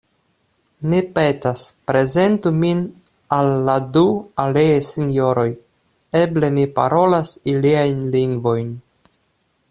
Mi petas: prezentu min al la du aliaj sinjoroj; eble mi parolas iliajn lingvojn.